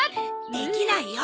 できないよ。